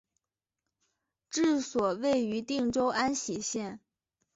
治所位于定州安喜县。